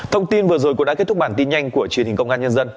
thông tin vừa rồi cũng đã kết thúc bản tin nhanh của truyền hình công an nhân dân